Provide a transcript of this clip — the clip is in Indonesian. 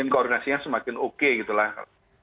koordinasinya semakin oke gitu lah